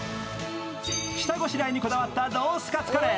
下ごしらえにこだわったロースカツカレー。